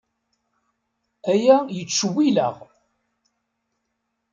Aya yettcewwil-aɣ.